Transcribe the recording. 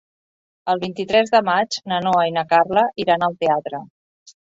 El vint-i-tres de maig na Noa i na Carla iran al teatre.